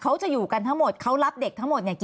ตอนที่จะไปอยู่โรงเรียนนี้แปลว่าเรียนจบมไหนคะ